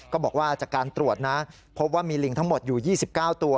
ก็บอกว่าจากการตรวจนะพบว่ามีลิงทั้งหมดอยู่๒๙ตัว